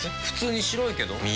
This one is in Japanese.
普通に白いけど。